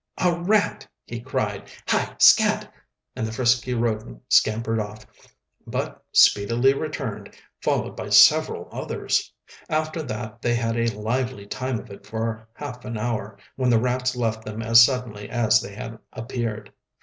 "A rat!" he cried. "Hi, scat!" And the frisky rodent scampered off, but speedily returned, followed by several others. After that they had a lively time of it for half an hour, when the rats left them as suddenly as they had appeared.